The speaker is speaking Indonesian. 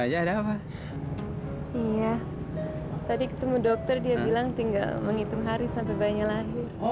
iya tadi ketemu dokter dia bilang tinggal menghitung hari sampai bayinya lahir